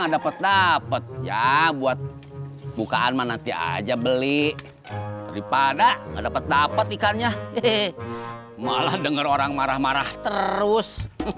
ada petapet ya buat bukaan nanti aja beli daripada nggak dapat dapat ikannya malah denger orang marah marah terus